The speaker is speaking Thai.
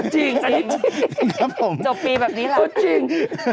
อ๋อจริง